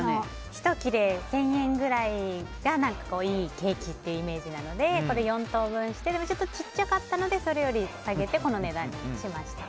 １切れ１０００円ぐらいがいいケーキというイメージなので４等分してでも、ちっちゃかったのでそれより下げてこの値段にしました。